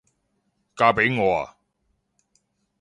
嫁畀我吖？